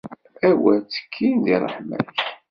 Awer ttekkin di ṛṛeḥma-k.